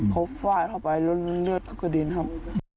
เขาฝ่ายเข้าไปร่วมเลือดก็กระดิ่นครับ